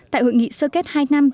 tại hội nghị sơ kết hai năm